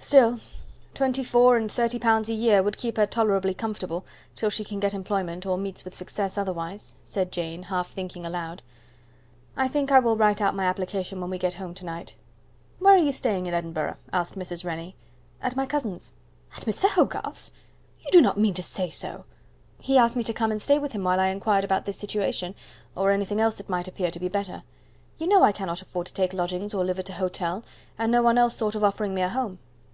Still, twenty four and thirty pounds a year would keep her tolerably comfortable till she can get employment or meets with success otherwise," said Jane, half thinking aloud. "I think I will write out my application when we get home to night." "Where are you staying in Edinburgh?" asked Mrs. Rennie. "At my cousin's." "At Mr. Hogarth's? you do not mean to say so!" "He asked me to come and stay with him while I inquired about this situation, or anything else that might appear to be better. You know I cannot afford to take lodgings or live at a hotel, and no one else thought of offering me a home."